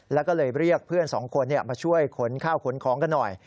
แล้วก็เลยเรียกเพื่อนสองคนมาช่วยขนข้าวขนของกันหน่อย